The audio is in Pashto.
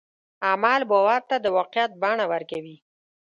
عمل باور ته د واقعیت بڼه ورکوي.